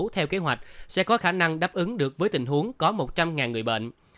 theo kế hoạch sẽ có khả năng đáp ứng được với tình huống có một trăm linh người bệnh